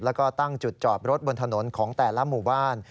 แล้วก็ตั้งจุดจอดรถบนถนนของแต่ละหมู่บ้าน